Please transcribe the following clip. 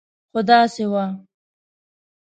خو داسې نه وه.